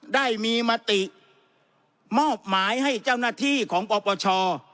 ได้มีมติมอบหมายให้เจ้าหน้าที่ของปปช